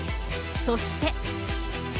そして。